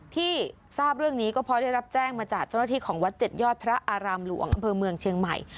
ที่ทราบเรื่องนี้ก็เพราะได้รับแจ้งมาจากเจ้าหน้าที่ของวัด๗ยอดพระอารามหลวงอำเภอเมืองเชียงใหม่